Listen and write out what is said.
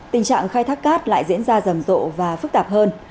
tình trạng khai thác cát lại diễn ra rầm rộ và phức tạp hơn